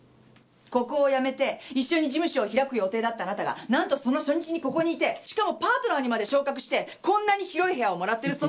ここを辞めて一緒に事務所を開く予定だったあなたが何とその初日にここにいてしかもパートナーにまで昇格してこんなに広い部屋をもらってるその理由をよ！